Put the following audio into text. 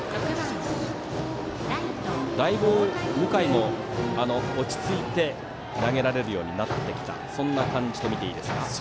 だいぶ、向井も落ち着いて投げられるようになってきたそんな感じとみていいですか。